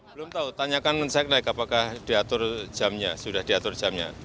belum tahu tanyakan mensek naik apakah diatur jamnya sudah diatur jamnya